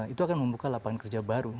itu akan membuka lapangan kerja baru